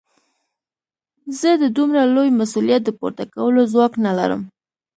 زه د دومره لوی مسوليت د پورته کولو ځواک نه لرم.